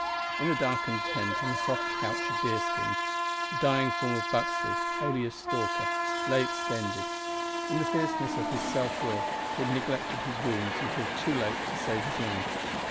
In a darkened tent, on a soft couch of deerskins, the dying form of Buxley, alias Stalker, lay extended. In the fierceness of his self will he had neglected his wounds until too late to save his life.